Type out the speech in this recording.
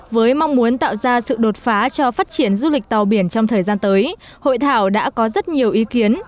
và cho phát triển du lịch tàu biển trong thời gian tới hội thảo đã có rất nhiều ý kiến